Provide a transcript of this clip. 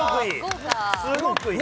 すごくいい！